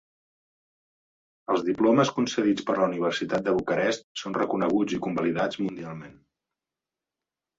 Els diplomes concedits per la Universitat de Bucarest són reconeguts i convalidats mundialment.